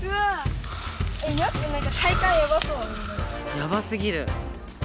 やばすぎる。